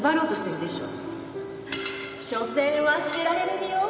しょせんは捨てられる身よ。